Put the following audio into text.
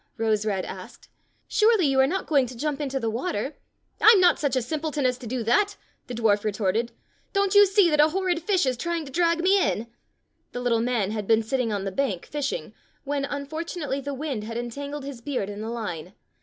'^ Rose red asked. "Surely you are not going to jump into the water." "I'm not such a simpleton as to do that," the dwarf retorted. "Don't you see that a horrid fish is trying to drag me in.f^" The little man had been sitting on the bank fishing, when, unfortunately, the wind had entangled his beard in the line.